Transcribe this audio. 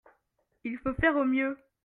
Il faut faire au mieux.